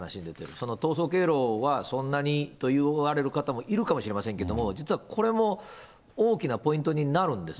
その逃走経路はそんなにと言われる方もいるかもしれませんけれども、実はこれも大きなポイントになるんです。